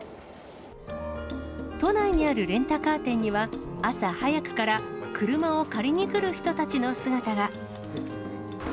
都内にあるレンタカー店には、朝早くから車を借りに来る人たちの姿が。